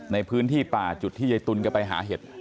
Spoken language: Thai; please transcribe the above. ในพื้นที่ป่าจุดที่ยายตุลแกไปหาเห็ด